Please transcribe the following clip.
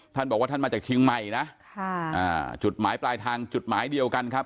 ท่านบอกว่าท่านมาจากเชียงใหม่นะค่ะอ่าจุดหมายปลายทางจุดหมายเดียวกันครับ